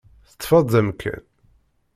Teṭṭfeḍ-d amkan?